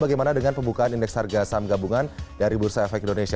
bagaimana dengan pembukaan indeks harga saham gabungan dari bursa efek indonesia